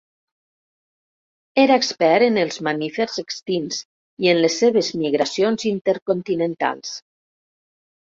Era expert en els mamífers extints i en les seves migracions intercontinentals.